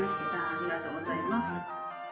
ありがとうございます。